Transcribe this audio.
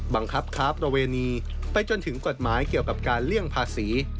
บังคับค้าประเวณีไปจนถึงกฎหมายเกี่ยวกับการเลี่ยงภาษี